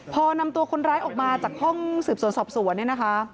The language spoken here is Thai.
พอนำตัวคนร้ายออกมาจากห้องสืบส่วนสอบส่วน